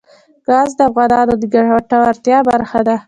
ګاز د افغانانو د ګټورتیا برخه ده.